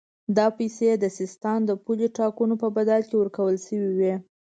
دا پیسې د سیستان د پولې ټاکلو په بدل کې ورکول شوې وې.